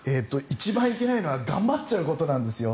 一番いけないのは頑張っちゃうことなんですよ。